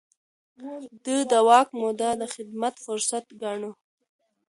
ده د واک موده د خدمت فرصت ګاڼه.